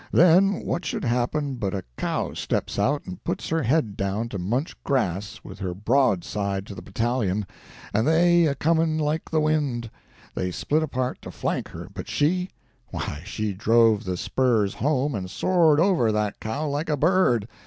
Then, what should happen but a cow steps out and puts her head down to munch grass, with her broadside to the battalion, and they a coming like the wind; they split apart to flank her, but she?—why, she drove the spurs home and soared over that cow like a bird!